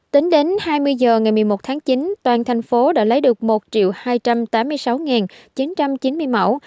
tính đến hai mươi h ngày một mươi một tháng chín toàn thành phố đã lấy được một hai trăm tám mươi sáu chín trăm chín mươi mẫu